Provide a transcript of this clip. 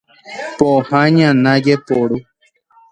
Pohã ñana jeporu.